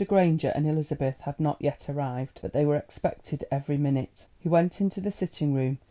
Granger and Elizabeth had not yet arrived, but they were expected every minute. He went into the sitting room.